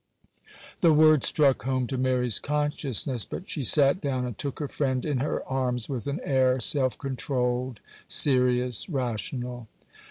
The word struck home to Mary's consciousness, but she sat down and took her friend in her arms with an air, self controlled, serious, rational.